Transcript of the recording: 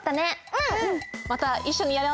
うん！